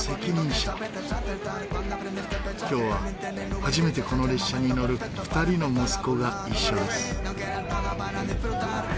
今日は初めてこの列車に乗る２人の息子が一緒です。